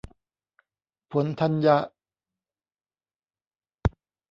ผลธัญญะ